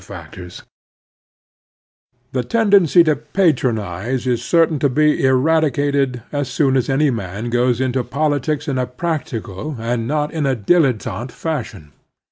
A Political Factor sx The tendency to patronize is certain to be eradi cated as soon as any man goes into politics in a practical and not in a dilettante fashion.